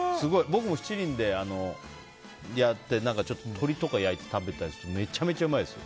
僕も七輪でやって鳥とか焼いて食べたりするとめちゃめちゃうまいです。